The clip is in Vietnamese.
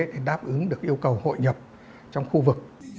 để đáp ứng được yêu cầu hội nhập trong khu vực